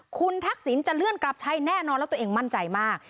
คุณทักษิณจะเลื่อนกลับไทยแน่นอนแล้วตัวเองมั่นใจมาก